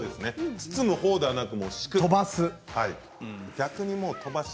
包むほうではなく。